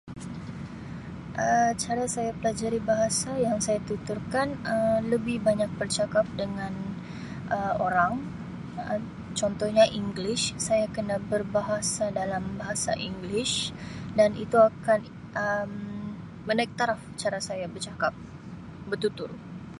Um Cara saya pelajari bahasa yang saya tuturkan Um lebih banyak bercakap dengan Um orang Um contohnya English, saya kena berbahasa dalam Bahasa English dan itu akan Um akan menaik taraf cara saya bercakap- bertutur.